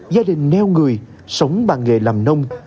gia đình neo người sống bằng nghề làm nông